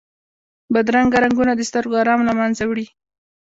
بدرنګه رنګونه د سترګو آرام له منځه وړي